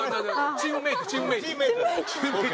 チームメートチームメート。